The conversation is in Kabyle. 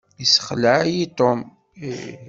Yessexleɛ-iyi Tom.